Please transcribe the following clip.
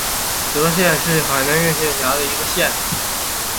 德寿县是越南河静省下辖的一个县。